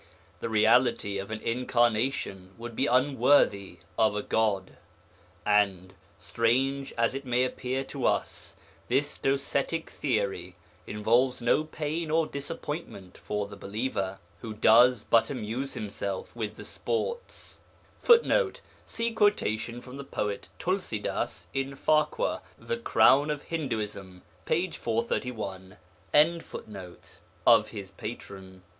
The reality of an incarnation would be unworthy of a God. And, strange as it may appear to us, this Docetic theory involves no pain or disappointment for the believer, who does but amuse himself with the sports [Footnote: See quotation from the poet Tulsi Das in Farquhar, The Crown of Hinduism, p. 431.] of his Patron.